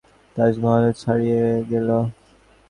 সে লিখেছে, শাজাহান আজ তার তাজমহলকেও ছাড়িয়ে গেল।